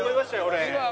俺。